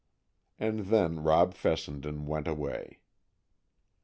And then Rob Fessenden went away.